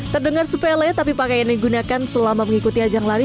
terdengar sepele tapi pakaian digunakan selama mengikuti ajang lari